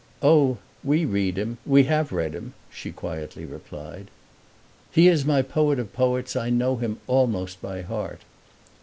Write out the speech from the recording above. "Oh, we read him we HAVE read him," she quietly replied. "He is my poet of poets I know him almost by heart."